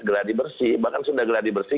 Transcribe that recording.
geladi bersih bahkan sudah geladi bersih